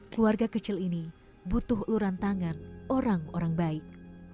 keluarga kecil ini butuh uluran tangan orang orang baik